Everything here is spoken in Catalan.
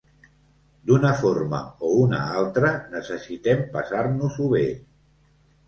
D'una forma o una altra, necessitem passar-nos-ho bé.